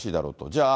じゃあ、